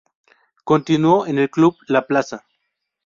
Continuó en el club La Plaza.